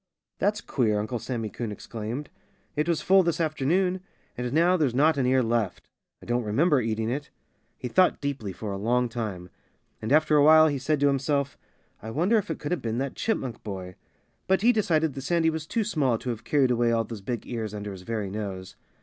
"That's queer!" Uncle Sammy Coon exclaimed. "It was full this afternoon. And now there's not an ear left. I don't remember eating it." He thought deeply for a long time. And after a while he said to himself: "I wonder if it could have been that Chipmunk boy?" But he decided that Sandy was too small to have carried away all those big ears under his very nose.